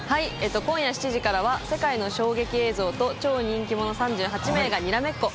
今夜７時からは、世界の衝撃映像と超人気者３８名がにらめっこ。